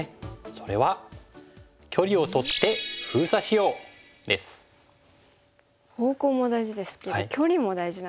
それは方向も大事ですけど距離も大事なんですね。